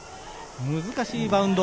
難しいバウンド。